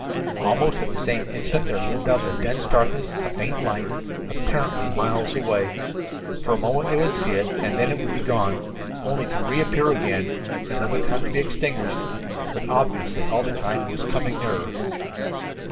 Almost at the same instant there loomed out of the dense darkness a faint light, apparently miles away. For a moment they would see it, and then it would be gone, only to reappear again, another time to be extinguished. But obviously all the time it was coming nearer.